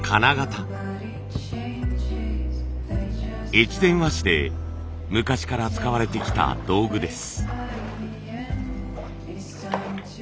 越前和紙で昔から使われてきた道具です。